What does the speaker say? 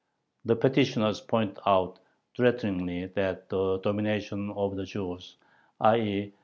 The petitioners point out threateningly that the domination of the Jews, _i.